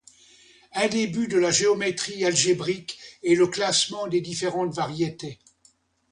Un des buts de la géométrie algébrique est le classement des différentes variétés.